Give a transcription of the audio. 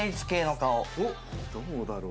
どうだろう？